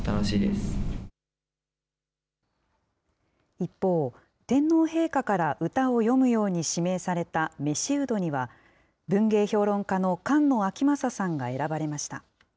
一方、天皇陛下から歌を詠むように指名された召人には、文芸評論家の菅野昭正さんが選ばれました。